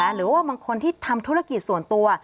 หรือว่าบางคนที่ทำธุรกิจส่วนตัว